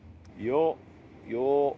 「よ」